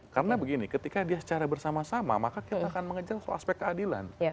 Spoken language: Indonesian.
karena begini ketika dia secara bersama sama maka kita akan mengejar aspek keadilan